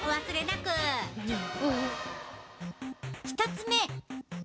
１つ目。